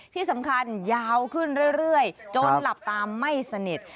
ที่สำคัญยาวขึ้นเรื่อยจนหลับตาไม่สนิท